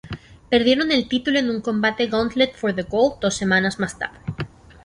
Perdieron el título en un combate Gauntlet for the Gold dos semanas más tarde.